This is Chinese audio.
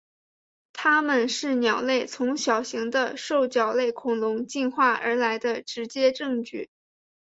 它们是鸟类从小型的兽脚类恐龙进化而来的直接证据。